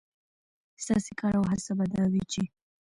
ستاسې کار او هڅه به دا وي، چې